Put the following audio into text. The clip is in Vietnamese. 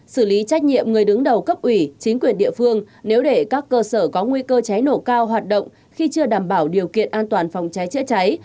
xử lý trách nhiệm người đứng đầu cấp ủy chính quyền địa phương nếu để các cơ sở có nguy cơ cháy nổ cao hoạt động khi chưa đảm bảo điều kiện an toàn phòng cháy chữa cháy